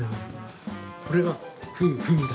◆これがフーフーだ。